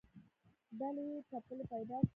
ډلې ټپلې پیدا کړې